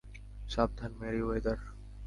সাবধান, মেরিওয়েদার।